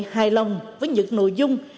hài lòng với những nội dung